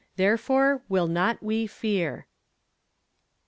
"THEREFORE WILL NOT WE FEAR."